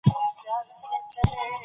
ګرانډ بازار او کوترو جومات یې هم ولیدل.